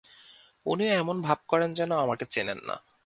উনিও এমন ভাব করেন যেন আমাকে চেনেন না।